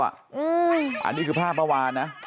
อันนี้คือภาพเมื่อวานนะ